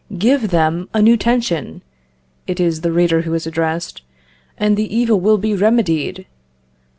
Give them a new tension (it is the reader who is addressed), and the evil will be remedied....